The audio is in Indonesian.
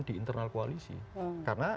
di internal koalisi karena